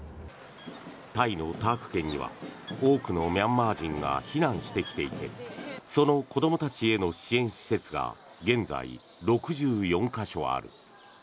タイのターク県には多くのミャンマー人が避難してきていてその子どもたちへの支援施設が現在、６４か所ある。